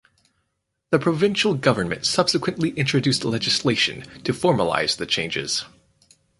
The provincial government subsequently introduced legislation to formalise the changes.